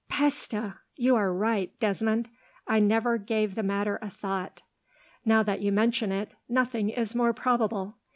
"Peste! You are right, Desmond. I never gave the matter a thought. Now that you mention it, nothing is more probable.